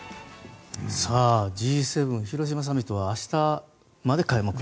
Ｇ７広島サミットは明日まで開幕と。